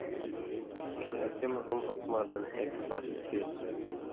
کھیں اسی مہ ہُم حُکماں دَن ایک خاص څیز